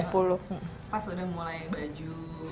pas sudah mulai baju